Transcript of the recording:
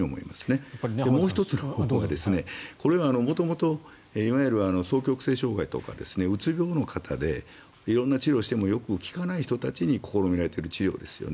もう１つは、これは元々、双極性障害とかうつ病の方で色んな治療をしてもよく効かない人に試みられている治療ですよね。